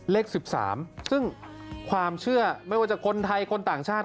เลข๑๓ซึ่งความเชื่อไม่ว่าจะคนไทยคนต่างชาติ